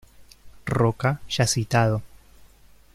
Roca ya citado.